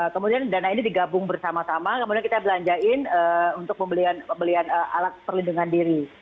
kemudian dana ini digabung bersama sama kemudian kita belanjain untuk pembelian alat perlindungan diri